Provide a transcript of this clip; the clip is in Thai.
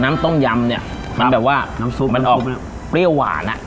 น้ำต้มยำเนี่ยมันแบบว่าน้ำซุปมันออกเปรี้ยวหวานอ่ะ